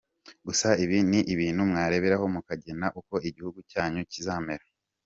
Gusa ibi ni ibintu mwareberaho mukagena uko igihugu cyanyu kizamera.